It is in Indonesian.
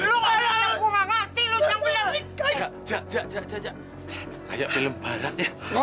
jangan jangan jangan kayak film barat